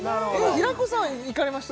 平子さんは行かれました？